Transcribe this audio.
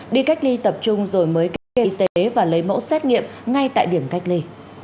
đi cách ly tập trung rồi mới cách ly y tế và lấy mẫu xét nghiệm ngay tại điểm cách ly